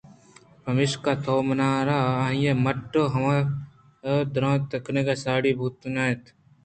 پمیشا تو منارا آئی ءِ مٹّ ءُ ہم درور کنگ ءَ ساڑی بُوئگ ءَ نہ اِت